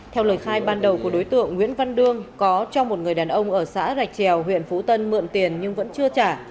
theo lời khai ban đầu của đối tượng nguyễn văn đương có cho một người đàn ông ở xã rạch trèo huyện phú tân mượn tiền nhưng vẫn chưa trả